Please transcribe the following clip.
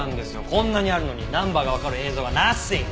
こんなにあるのにナンバーがわかる映像がナッシング！